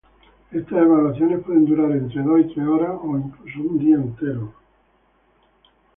Estas evaluaciones pueden durar entre dos y tres horas, o incluso un día entero.